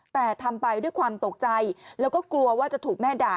แต่ทำไปด้วยความตกใจแล้วก็กลัวว่าจะถูกแม่ด่า